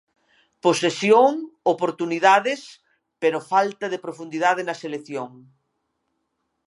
Posesión, oportunidades, pero falta de profundidade na selección.